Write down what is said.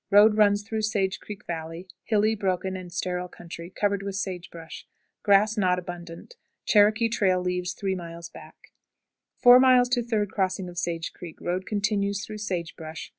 Road runs through Sage Creek Valley; hilly, broken, and sterile country, covered with sage brush. Grass not abundant. Cherokee trail leaves three miles back. 4. Third Crossing of Sage Creek. Road continues through sage brush.